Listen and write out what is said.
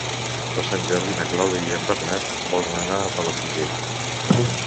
Per Sant Jordi na Clàudia i en Bernat volen anar a Palafrugell.